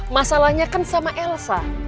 masalahnya kan sama elsa